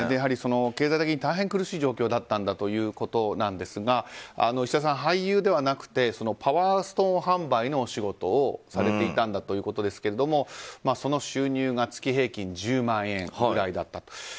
経済的に大変苦しい状況だったんだということですがいしださん、俳優ではなくてパワーストーン販売の仕事をされていたんだということですがその収入が月平均１０万円くらいだったと。